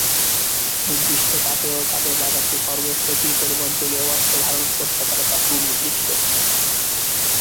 নির্দিষ্ট তাপে ও চাপে বাতাসে সর্বোচ্চ কি পরিমাণ জলীয় বাষ্প ধারণ করতে পারে তা সুনির্দিষ্ট।